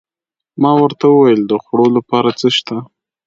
ما ورته وویل: د خوړو لپاره څه شته؟